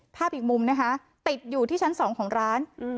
ภาพอีกมุมนะคะติดอยู่ที่ชั้นสองของร้านอืม